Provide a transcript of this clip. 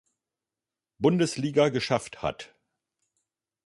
Bundesliga geschafft hat.